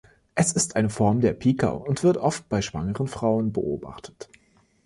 Es ist eine Form der Pica und wird oft bei schwangeren Frauen beobachtet.